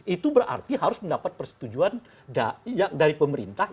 itu berarti harus mendapat persetujuan dari pemerintah